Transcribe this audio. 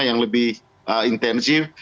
yang lebih intensif